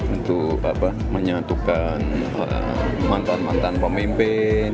untuk menyatukan mantan mantan pemimpin